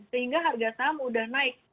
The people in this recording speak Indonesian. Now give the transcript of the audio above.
sehingga harga saham mudah naik